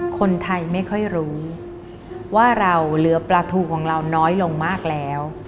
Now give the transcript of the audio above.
คนไทยไม่ค่อยรู้ว่าเราเหลือปลาทูของเราน้อยลงมากแล้ว